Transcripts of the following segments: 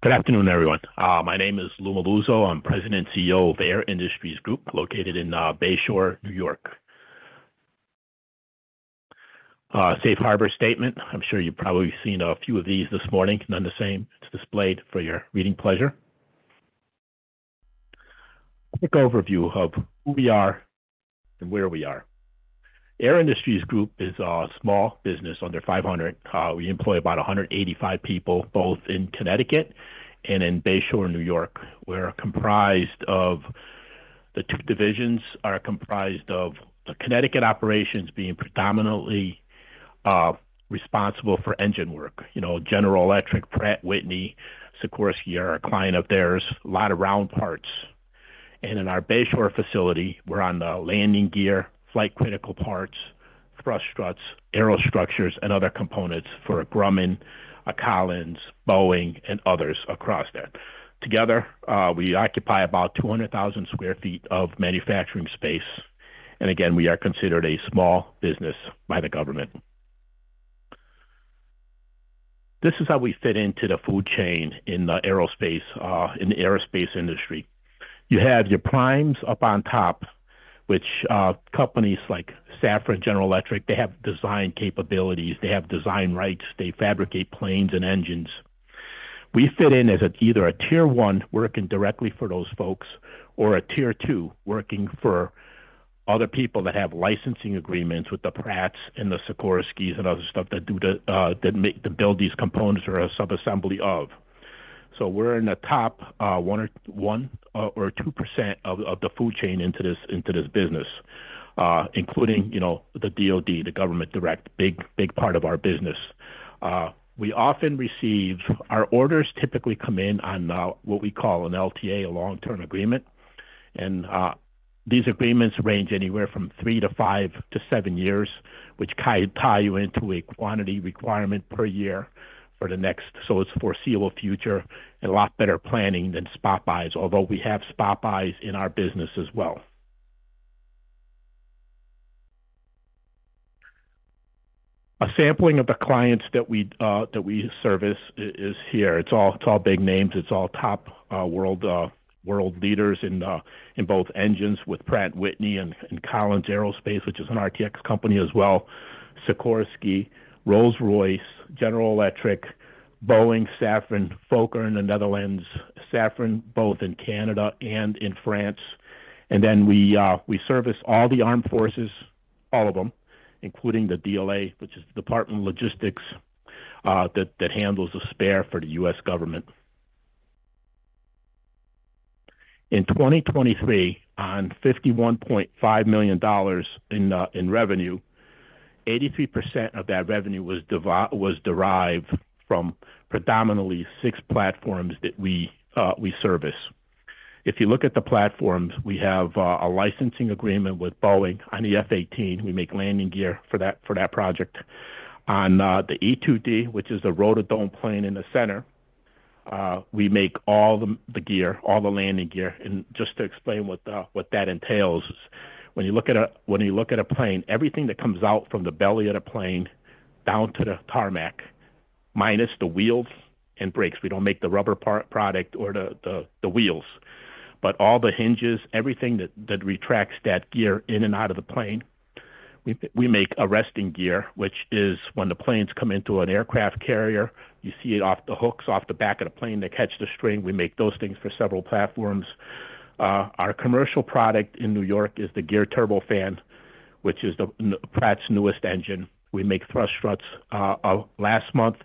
Good afternoon, everyone. My name is Lou Melluzzo. I'm President and CEO of Air Industries Group, located in Bay Shore, New York. Safe Harbor statement. I'm sure you've probably seen a few of these this morning, none the same. It's displayed for your reading pleasure. Quick overview of who we are and where we are. Air Industries Group is a small business, under 500. We employ about 185 people, both in Connecticut and in Bay Shore, New York. We're comprised of the two divisions, are comprised of the Connecticut operations being predominantly responsible for engine work. You know, General Electric, Pratt & Whitney, Sikorsky are a client of theirs. A lot of round parts. And in our Bay Shore facility, we're on the landing gear, flight critical parts, thrust struts, aerostructures, and other components for a Grumman, a Collins, Boeing, and others across there. Together, we occupy about 200,000 sq ft of manufacturing space, and again, we are considered a small business by the government. This is how we fit into the food chain in the aerospace, in the aerospace industry. You have your primes up on top, which, companies like Safran, General Electric, they have design capabilities, they have design rights, they fabricate planes and engines. We fit in as a either a Tier 1, working directly for those folks, or a Tier 2, working for other people that have licensing agreements with the Pratts and the Sikorskys and other stuff that do the, that make, that build these components or a sub-assembly of. So we're in the top 1% or 2% of the food chain in this business, including, you know, the DoD, the government direct, big part of our business. Our orders typically come in on what we call an LTA, a long-term agreement. And these agreements range anywhere from three to five to seven years, which tie you into a quantity requirement per year for the next foreseeable future, a lot better planning than spot buys, although we have spot buys in our business as well. A sampling of the clients that we service is here. It's all big names. It's all top world leaders in both engines with Pratt & Whitney and Collins Aerospace, which is an RTX company as well, Sikorsky, Rolls-Royce, General Electric, Boeing, Safran, Fokker in the Netherlands, Safran, both in Canada and in France. Then we service all the armed forces, all of them, including the DLA, which is the Department of Logistics, that handles the spares for the US government. In 2023, on $51.5 million in revenue, 83% of that revenue was derived from predominantly six platforms that we service. If you look at the platforms, we have a licensing agreement with Boeing on the F-18. We make landing gear for that project. On the E-2D, which is the rotodome plane in the center, we make all the gear, all the landing gear. And just to explain what that entails, when you look at a plane, everything that comes out from the belly of the plane down to the tarmac, minus the wheels and brakes. We don't make the rubber part, product or the wheels, but all the hinges, everything that retracts that gear in and out of the plane. We make arresting gear, which is when the planes come into an aircraft carrier, you see it off the hooks, off the back of the plane that catch the string. We make those things for several platforms. Our commercial product in New York is the Geared Turbofan, which is Pratt's newest engine. We make thrust struts. Last month,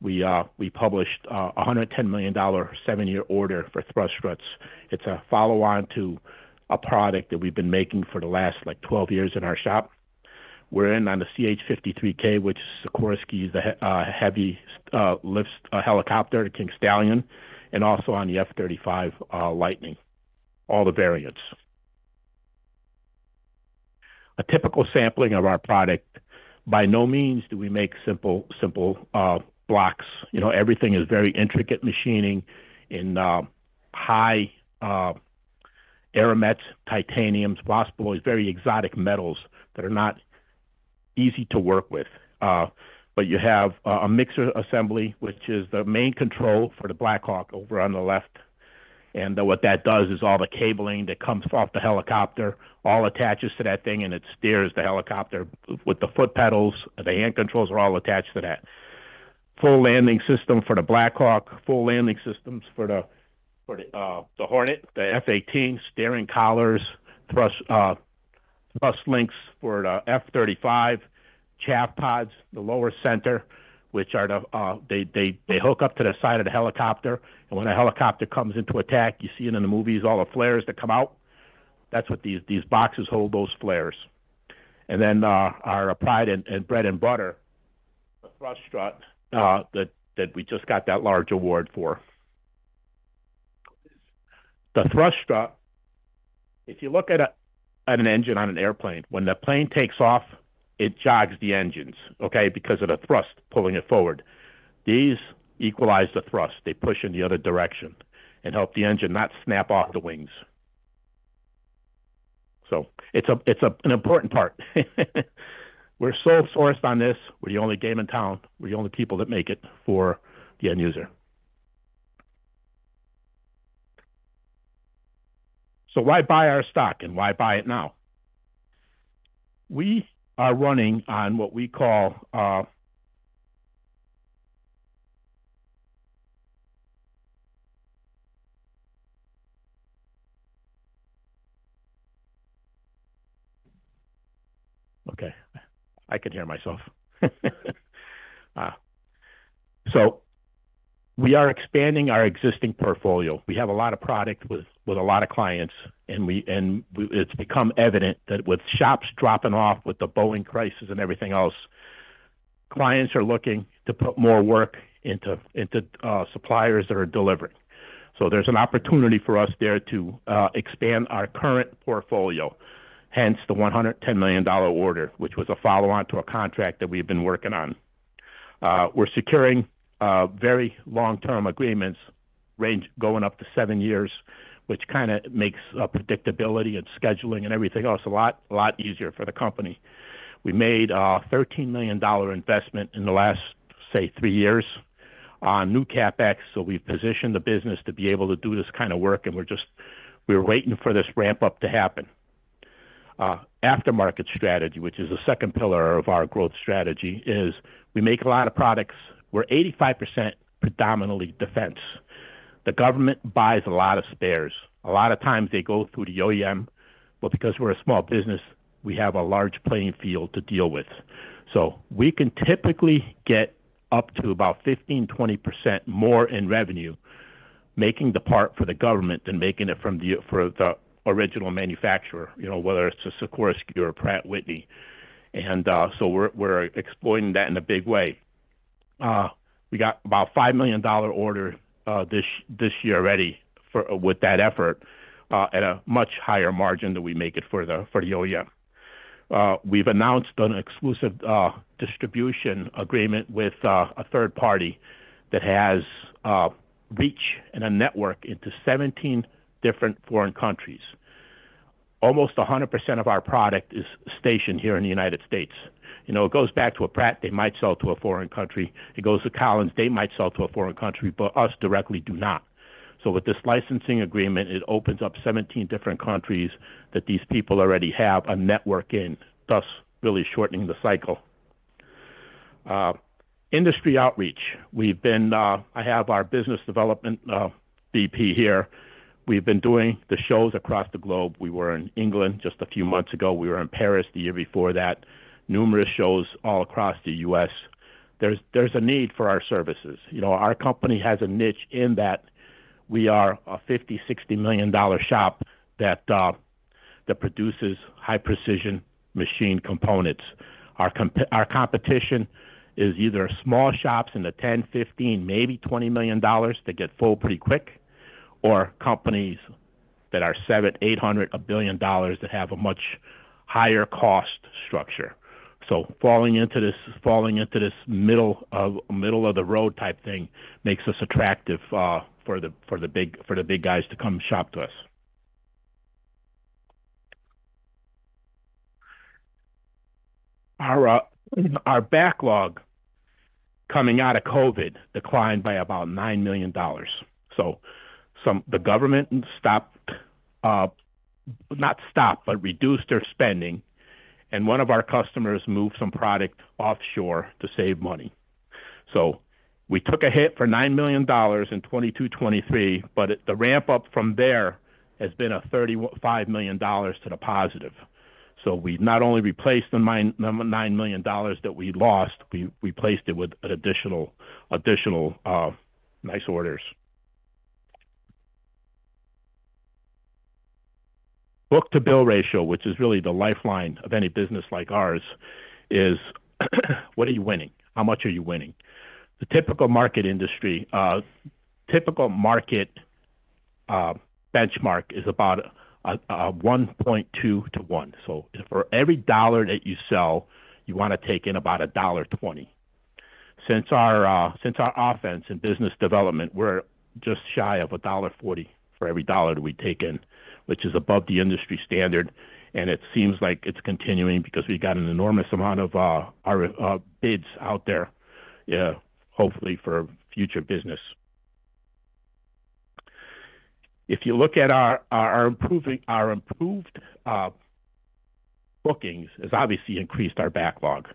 we published a $110 million seven-year order for thrust struts. It's a follow-on to a product that we've been making for the last like twelve years in our shop. We're in on the CH-53K, which Sikorsky is the heavy lift helicopter, the King Stallion, and also on the F-35 Lightning, all the variants. A typical sampling of our product. By no means do we make simple blocks. You know, everything is very intricate machining in high AerMet, titaniums, Waspaloy, very exotic metals that are not easy to work with. But you have a mixer assembly, which is the main control for the Black Hawk over on the left. And what that does is all the cabling that comes off the helicopter all attaches to that thing, and it steers the helicopter with the foot pedals. The hand controls are all attached to that. Full landing system for the Black Hawk, full landing systems for the Hornet, the F-18, steering collars, thrust links for the F-35, chaff pods, the lower center, which are the they hook up to the side of the helicopter, and when a helicopter comes into attack, you see it in the movies, all the flares that come out. That's what these boxes hold, those flares. And then our pride and bread and butter, the thrust strut that we just got that large award for. The thrust strut, if you look at an engine on an airplane, when the plane takes off, it jogs the engines, okay? Because of the thrust pulling it forward. These equalize the thrust. They push in the other direction and help the engine not snap off the wings. So it's an important part. We're sole sourced on this. We're the only game in town. We're the only people that make it for the end user. So why buy our stock, and why buy it now? We are running on what we call. Okay, I could hear myself. So we are expanding our existing portfolio. We have a lot of product with a lot of clients, and we, it's become evident that with shops dropping off, with the Boeing crisis and everything else, clients are looking to put more work into suppliers that are delivering. So there's an opportunity for us there to expand our current portfolio, hence the $110 million order, which was a follow-on to a contract that we've been working on. We're securing very long-term agreements, range going up to seven years, which kinda makes predictability and scheduling and everything else a lot easier for the company. We made a $13 million investment in the last, say, three years on new CapEx, so we've positioned the business to be able to do this kind of work, and we're just waiting for this ramp-up to happen. Aftermarket strategy, which is the second pillar of our growth strategy, is we make a lot of products. We're 85% predominantly defense. The government buys a lot of spares. A lot of times they go through the OEM, but because we're a small business, we have a large playing field to deal with. So we can typically get up to about 15-20% more in revenue, making the part for the government than making it for the original manufacturer, you know, whether it's a Sikorsky or a Pratt & Whitney. So we're exploring that in a big way. We got about $5 million order this year already for with that effort at a much higher margin than we make it for the OEM. We've announced an exclusive distribution agreement with a third party that has reach and a network into 17 different foreign countries. Almost 100% of our product is stationed here in the United States. You know, it goes back to a Pratt. They might sell to a foreign country. It goes to Collins. They might sell to a foreign country, but us directly do not. So with this licensing agreement, it opens up 17 different countries that these people already have a network in, thus really shortening the cycle. Industry outreach. We've been. I have our business development VP here. We've been doing the shows across the globe. We were in England just a few months ago. We were in Paris the year before that. Numerous shows all across the U.S. There's a need for our services. You know, our company has a niche in that we are a $50 million-$60 million dollar shop that produces high-precision machine components. Our competition is either small shops in the $10-15, maybe $20 million that get full pretty quick, or companies that are $700-$800, a $1 billion that have a much higher cost structure. Falling into this middle-of-the-road type thing makes us attractive for the big guys to come shop to us. Our backlog coming out of COVID declined by about $9 million. So the government stopped, not stopped, but reduced their spending, and one of our customers moved some product offshore to save money. We took a hit for $9 million in 2022, 2023, but it, the ramp-up from there has been $35 million to the positive. We not only replaced the nine million dollars that we lost, we replaced it with an additional nice orders. Book-to-bill ratio, which is really the lifeline of any business like ours, is what are you winning? How much are you winning? The typical market industry benchmark is about a 1.2-to-1. For every dollar that you sell, you wanna take in about a dollar twenty. Since our book-to-bill and business development, we're just shy of $1.40 for every dollar that we take in, which is above the industry standard, and it seems like it's continuing because we've got an enormous amount of our bids out there, hopefully for future business. If you look at our improved bookings, has obviously increased our backlog.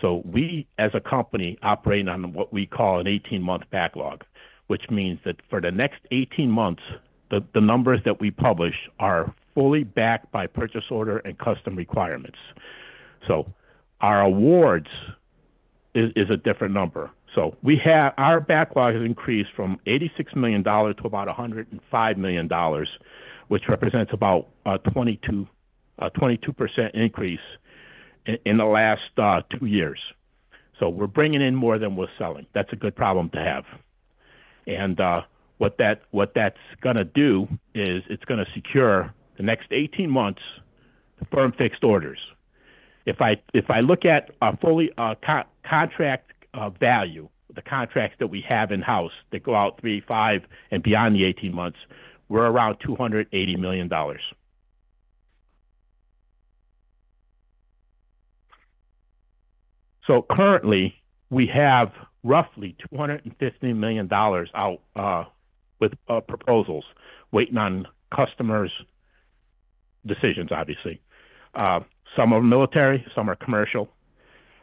So we, as a company, operate on what we call an eighteen-month backlog, which means that for the next eighteen months, the numbers that we publish are fully backed by purchase order and customer requirements. So our awards is a different number. So we have, our backlog has increased from $86 million to about $105 million, which represents about 22% increase in the last two years. We're bringing in more than we're selling. That's a good problem to have. What that's gonna do is it's gonna secure the next eighteen months to firm fixed orders. If I look at a fully contract value, the contracts that we have in-house that go out three, five, and beyond the 18 months, we're around $280 million. Currently, we have roughly $250 million out with proposals waiting on customers' decisions, obviously. Some are military, some are commercial.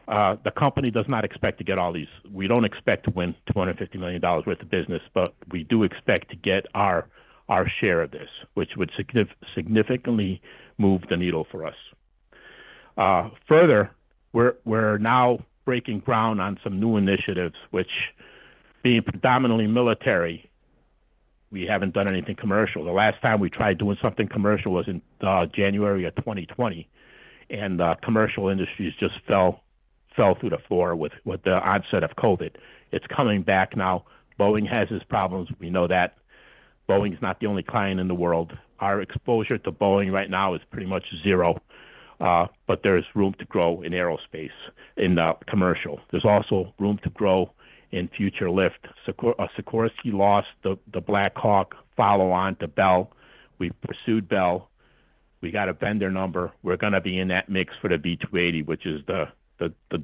The company does not expect to get all these. We don't expect to win $250 million worth of business, but we do expect to get our share of this, which would significantly move the needle for us. Further, we're now breaking ground on some new initiatives which, being predominantly military, we haven't done anything commercial. The last time we tried doing something commercial was in January of twenty twenty, and commercial industries just fell through the floor with the onset of COVID. It's coming back now. Boeing has its problems, we know that. Boeing is not the only client in the world. Our exposure to Boeing right now is pretty much zero, but there is room to grow in aerospace, in the commercial. There's also room to grow in future lift. Sikorsky lost the Black Hawk follow-on to Bell. We pursued Bell. We got a vendor number. We're gonna be in that mix for the V-280, which is the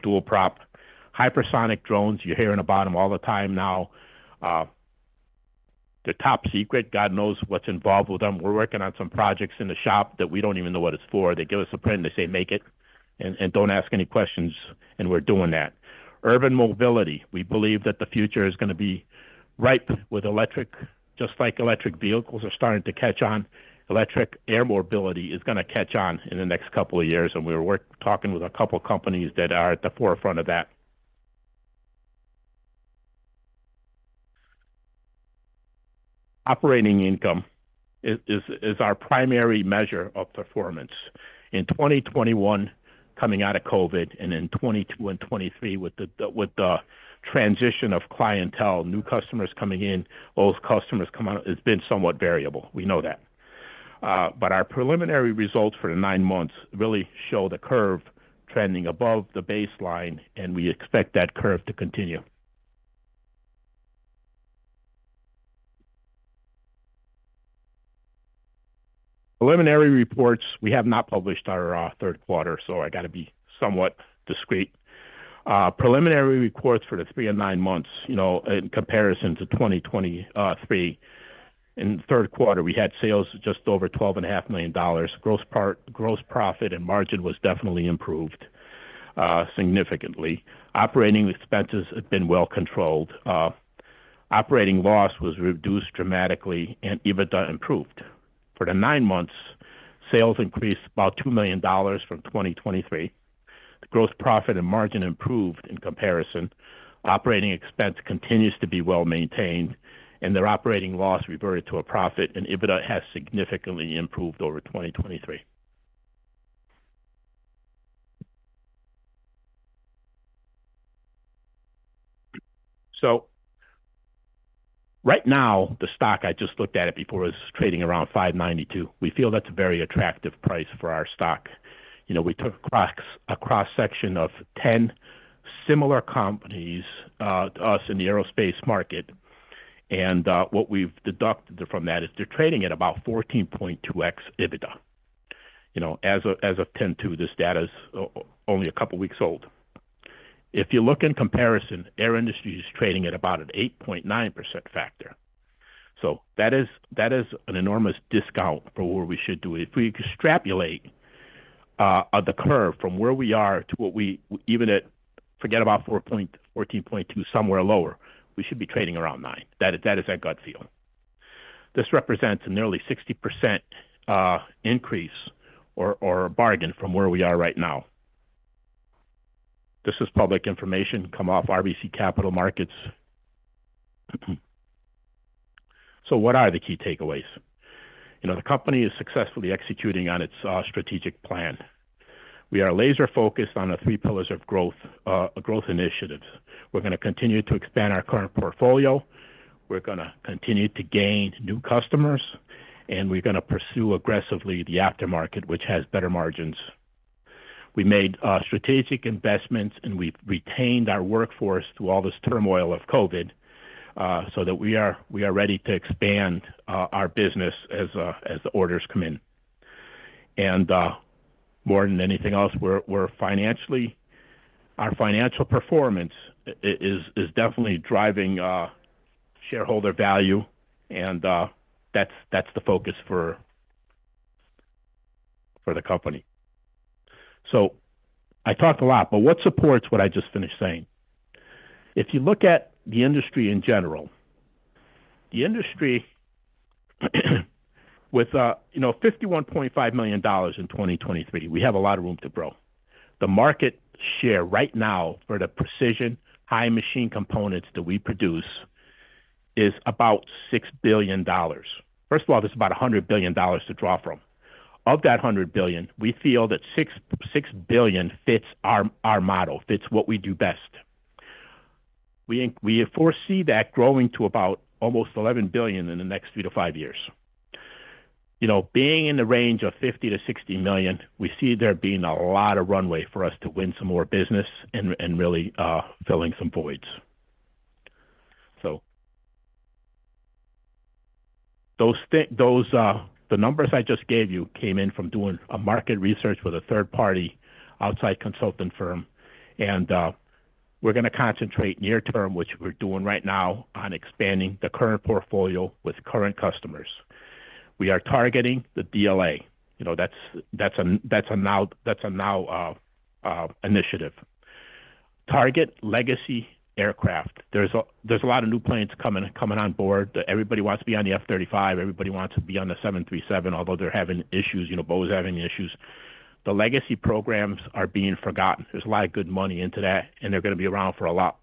dual prop. Hypersonic drones, you're hearing about them all the time now. They're top secret. God knows what's involved with them. We're working on some projects in the shop that we don't even know what it's for. They give us a print, they say, "Make it, and don't ask any questions," and we're doing that. Urban mobility. We believe that the future is gonna be ripe with electric. Just like electric vehicles are starting to catch on, electric air mobility is gonna catch on in the next couple of years, and we're talking with a couple companies that are at the forefront of that. Operating income is our primary measure of performance. In 2021, coming out of COVID, and in 2022 and 2023, with the transition of clientele, new customers coming in, old customers coming out, it's been somewhat variable. We know that. But our preliminary results for the nine months really show the curve trending above the baseline, and we expect that curve to continue. Preliminary reports, we have not published our third quarter, so I gotta be somewhat discreet. Preliminary reports for the three and nine months, you know, in comparison to 2023, in the third quarter, we had sales just over $12.5 million. Gross profit and margin was definitely improved significantly. Operating expenses have been well controlled. Operating loss was reduced dramatically, and EBITDA improved. For the nine months, sales increased about $2 million from 2023. The gross profit and margin improved in comparison. Operating expense continues to be well-maintained, and their operating loss reverted to a profit, and EBITDA has significantly improved over 2023. So right now, the stock, I just looked at it before, is trading around $5.92. We feel that's a very attractive price for our stock. You know, we took a cross, a cross-section of 10 similar companies to us in the aerospace market, and what we've deducted from that is they're trading at about 14.2x EBITDA. You know, as of 10/02/2024, this data is only a couple weeks old. If you look in comparison, Air Industries is trading at about an 8.9x factor. So that is, that is an enormous discount for what we should do. If we extrapolate the curve from where we are to what we even at. Forget about fourteen point two, somewhere lower, we should be trading around $9. That is, that is our gut feeling. This represents a nearly 60% increase or a bargain from where we are right now. This is public information, come off RBC Capital Markets. So what are the key takeaways? You know, the company is successfully executing on its strategic plan. We are laser-focused on the three pillars of growth initiatives. We're gonna continue to expand our current portfolio, we're gonna continue to gain new customers, and we're gonna pursue aggressively the aftermarket, which has better margins. We made strategic investments, and we've retained our workforce through all this turmoil of COVID, so that we are ready to expand our business as the orders come in. And more than anything else, we're financially our financial performance is definitely driving shareholder value, and that's the focus for the company. So I talk a lot, but what supports what I just finished saying? If you look at the industry in general, the industry, with, you know, $51.5 million in 2023, we have a lot of room to grow. The market share right now for the precision high machine components that we produce is about $6 billion. First of all, there's about $100 billion to draw from. Of that $100 billion, we feel that $6 billion fits our model, fits what we do best. We foresee that growing to about almost $11 billion in the next three to five years. You know, being in the range of $50million-$60 million, we see there being a lot of runway for us to win some more business and really filling some voids. Those, the numbers I just gave you came in from doing a market research with a third party, outside consulting firm, and we're gonna concentrate near term, which we're doing right now, on expanding the current portfolio with current customers. We are targeting the DLA. You know, that's a now initiative. Target legacy aircraft. There's a lot of new planes coming on board. Everybody wants to be on the F-35, everybody wants to be on the 737, although they're having issues, you know, Boeing's having issues. The legacy programs are being forgotten. There's a lot of good money into that, and they're gonna be around for a lot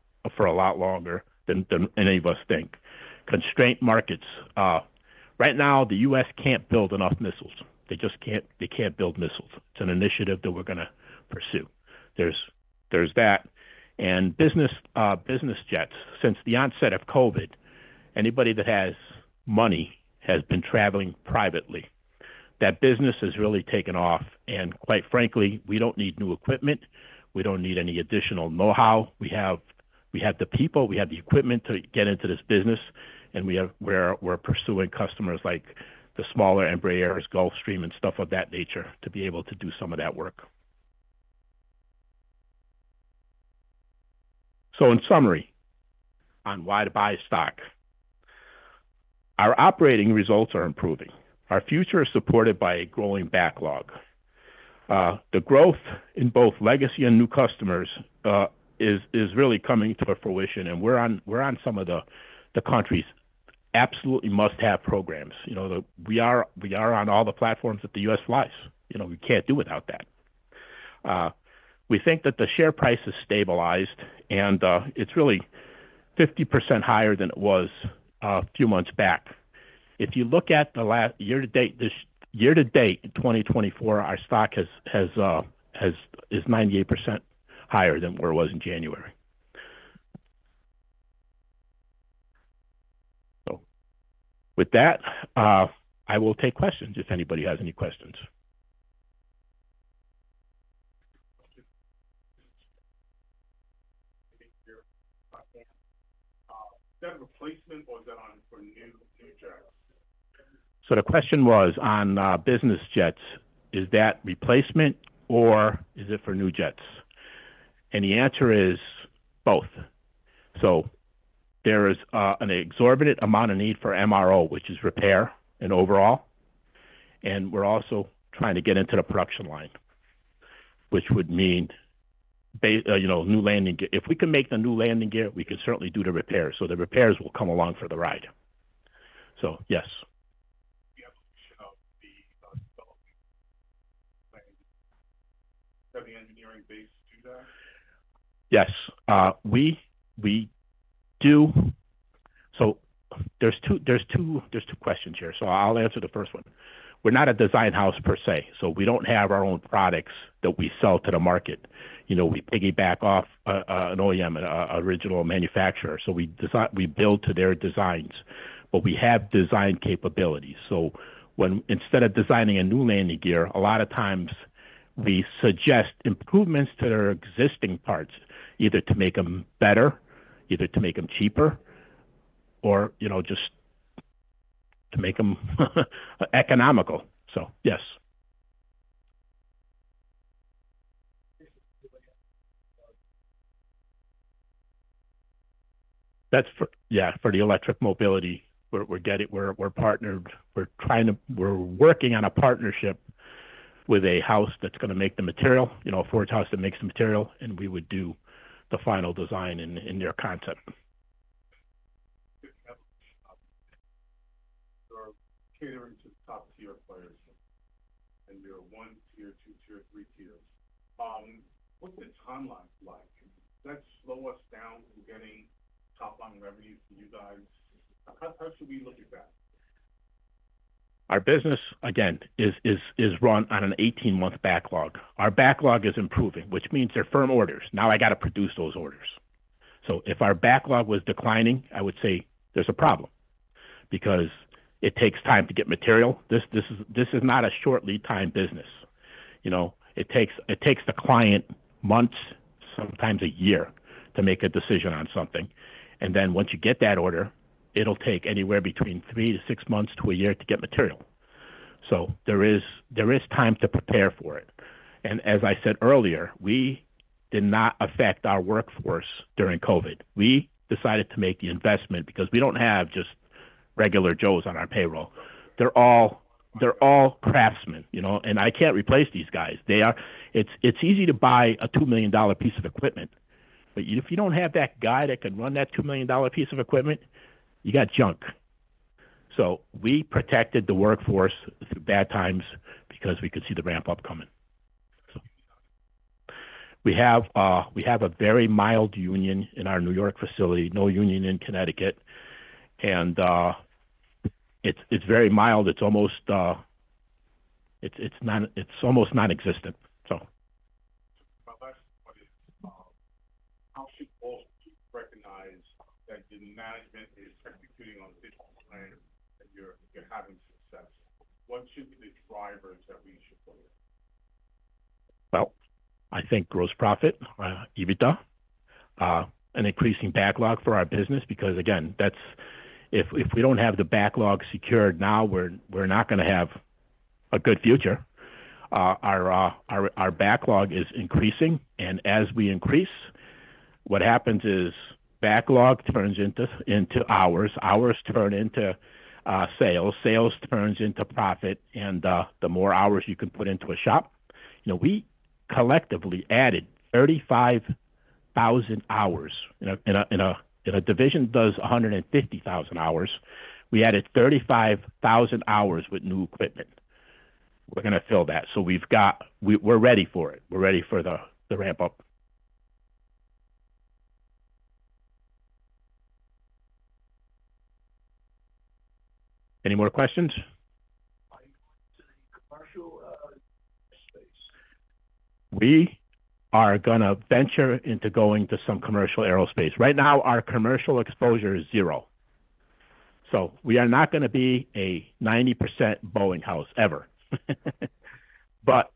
longer than any of us think. Constraint markets. Right now, the U.S. can't build enough missiles. They just can't build missiles. It's an initiative that we're gonna pursue. There's that, and business jets. Since the onset of COVID, anybody that has money has been traveling privately. That business has really taken off, and quite frankly, we don't need new equipment. We don't need any additional know-how. We have the people, we have the equipment to get into this business, and we're pursuing customers like the smaller Embraers, Gulfstream, and stuff of that nature, to be able to do some of that work. So in summary, on why to buy stock, our operating results are improving. Our future is supported by a growing backlog. The growth in both legacy and new customers is really coming to fruition, and we're on some of the country's absolutely must-have programs. You know, we are on all the platforms that the U.S. flies. You know, we can't do without that. We think that the share price is stabilized and it's really 50% higher than it was a few months back. If you look at year to date 2024, our stock is 98% higher than where it was in January. So with that, I will take questions if anybody has any questions. Is that replacement or is that on for new jets? So the question was on business jets, is that replacement or is it for new jets? And the answer is both. So there is an exorbitant amount of need for MRO, which is repair and overhaul, and we're also trying to get into the production line, which would mean you know, new landing gear. If we can make the new landing gear, we can certainly do the repairs. So the repairs will come along for the ride. So yes. You have the engineering base to do that? Yes. We do. So there's two questions here, so I'll answer the first one. We're not a design house per se, so we don't have our own products that we sell to the market. You know, we piggyback off an OEM, an original manufacturer, so we build to their designs, but we have design capabilities. So when instead of designing a new landing gear, a lot of times we suggest improvements to their existing parts, either to make them better, either to make them cheaper, or, you know, just to make them economical. So yes. That's for, yeah, for the electric mobility. We're getting... We're working on a partnership with a house that's gonna make the material, you know, a forge house that makes the material, and we would do the final design in their concept. You are catering to top-tier players, and there are Tier 1, Tier 2, three tiers. What's the timeline like? Does that slow us down from getting top-line revenues for you guys? How should we look at that? Our business, again, is run on an eighteen-month backlog. Our backlog is improving, which means they're firm orders. Now I got to produce those orders. So if our backlog was declining, I would say there's a problem, because it takes time to get material. This is not a short lead time business. You know, it takes the client months, sometimes a year, to make a decision on something, and then once you get that order, it'll take anywhere between three to six months to a year to get material. So there is time to prepare for it. And as I said earlier, we did not affect our workforce during COVID. We decided to make the investment because we don't have just regular Joes on our payroll. They're all craftsmen, you know, and I can't replace these guys. They are... It's easy to buy a $2 million piece of equipment, but if you don't have that guy that can run that $2 million piece of equipment, you got junk. We protected the workforce through bad times because we could see the ramp up coming. We have a very mild union in our New York facility, no union in Connecticut, and it's very mild. It's almost nonexistent, so. My last question is, how should Wall Street recognize that the management is executing on its plan, and you're having success? What should be the drivers that we should look? I think gross profit, EBITDA, an increasing backlog for our business, because again, that's if we don't have the backlog secured now, we're not gonna have a good future. Our backlog is increasing, and as we increase, what happens is backlog turns into hours, hours turn into sales, sales turns into profit, and the more hours you can put into a shop. You know, we collectively added thirty-five thousand hours. In a division does a hundred and fifty thousand hours. We added 35,000 hours with new equipment. We're gonna fill that. So we've got we're ready for it. We're ready for the ramp up. Any more questions? We are gonna venture into going to some commercial aerospace. Right now, our commercial exposure is zero, so we are not gonna be a 90% Boeing house ever, but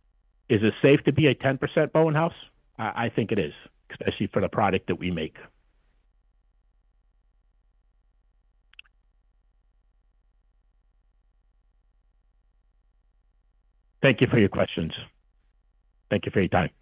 is it safe to be a 10% Boeing house? I, I think it is, especially for the product that we make. Thank you for your questions. Thank you for your time. Okay.